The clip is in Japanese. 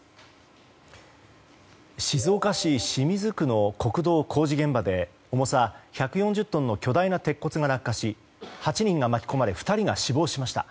静岡市清水区の国道工事現場で重さ１４０トンの巨大な鉄骨が落下し８人が巻き込まれ２人が死亡しました。